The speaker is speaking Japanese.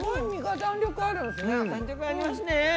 弾力ありますね。